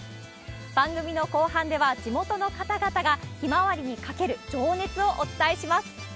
番組の後半では、地元の方々がヒマワリに懸ける情熱をお伝えします。